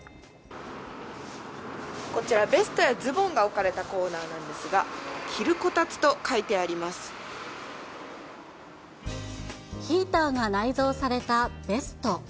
こちら、ベストやズボンが置かれたコーナーなんですが、ヒーターが内蔵されたベスト。